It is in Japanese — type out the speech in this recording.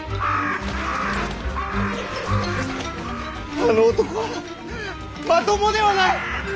あの男はまともではない！